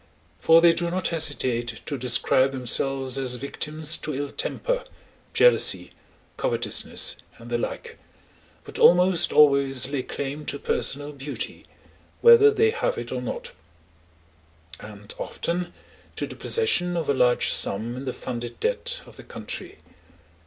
For they do not hesitate to describe themselves as victims to ill temper, jealousy, covetousness, and the like, but almost always lay claim to personal beauty, whether they have it or not, and, often, to the possession of a large sum in the funded debt of the country.